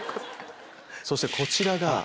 そしてこちらが。